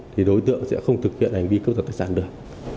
thì đối tượng sẽ không thực hiện hành vi cướp giật tài sản được